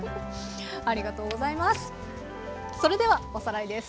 ありがとうございます！